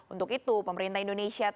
untuk itu pemerintah indonesia